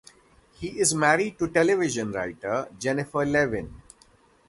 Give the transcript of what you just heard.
He is married to television writer Jennifer Levin.